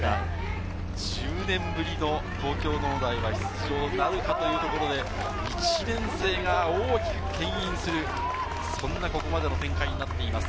１０年ぶりの東京農大は出場なるかというところで、１年生が大きくけん引する、そんなここまでの展開になっています。